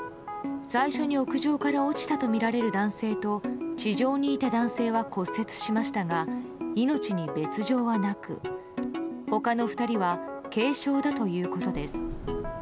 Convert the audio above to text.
最初に屋上から落ちたとみられる男性と地上にいた男性は骨折しましたが命に別条はなく他の２人は軽傷だということです。